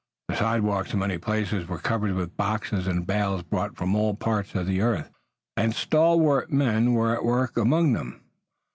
The sidewalks in many places were covered with boxes and bales brought from all parts of the earth, and stalwart men were at work among them.